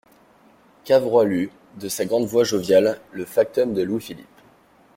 Cavrois lut, de sa grande voix joviale, le factum de Louis-Philippe.